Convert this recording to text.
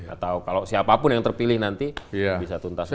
atau kalau siapapun yang terpilih nanti bisa dituntaskan